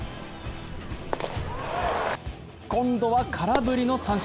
今度は空振りの三振。